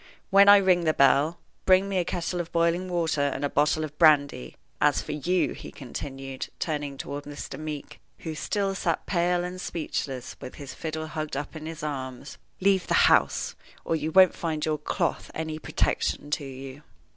"When I ring the bell, bring me a kettle of boiling water and a bottle of brandy. As for you," he continued, turning toward Mr. Meeke, who still sat pale and speechless with his fiddle hugged up in his arms, "leave the house, or you won't find your cloth any protection to you."